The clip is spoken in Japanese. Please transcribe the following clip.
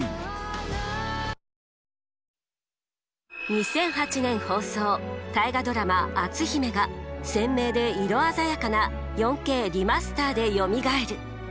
２００８年放送大河ドラマ「篤姫」が鮮明で色鮮やかな４Ｋリマスターでよみがえる！